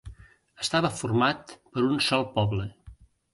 Estava format per un sol poble.